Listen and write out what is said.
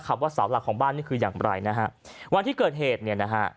ว่าเสาหลักของบ้านนี่คืออย่างไรนะฮะวันที่เกิดเหตุเนี่ยนะฮะ